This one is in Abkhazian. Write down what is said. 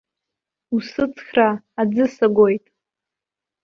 Усыцхраа, аӡы сагоит!